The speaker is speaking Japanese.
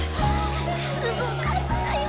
すごかったよ。